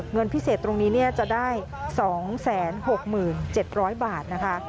เงินพิเศษตรงนี้จะได้๒๖๗๐๐บาทนะคะ